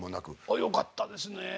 あよかったですねえ。